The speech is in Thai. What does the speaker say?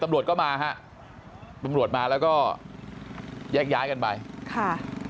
ตำรวจก็มาฮะตำรวจมาแล้วก็แยกย้ายกันไปค่ะ